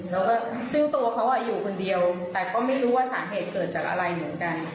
แล้วก็ซึ่งตัวเขาอยู่คนเดียวแต่ก็ไม่รู้ว่าสาเหตุเกิดจากอะไรเหมือนกัน